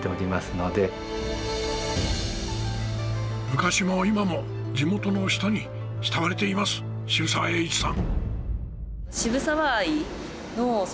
昔も今も地元の人に慕われています渋沢栄一さん！